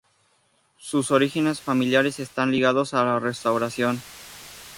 Sus orígenes familiares están ligados a la restauración.